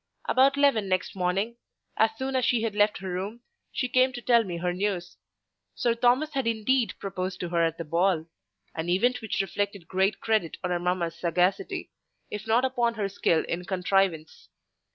About eleven next morning, as soon as she had left her room, she came to tell me her news. Sir Thomas had indeed proposed to her at the ball; an event which reflected great credit on her mamma's sagacity, if not upon her skill in contrivance.